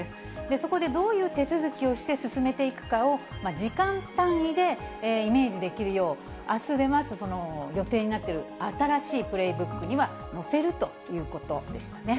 そこでどういう手続きをして進めていくかを時間単位でイメージできるよう、あす出ます予定になっている、新しいプレイブックには載せるということでしたね。